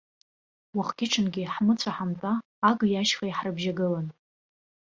Уахгьы-ҽынгьы ҳмыцәа-ҳамтәа агеи-ашьхеи ҳарбжьагылан.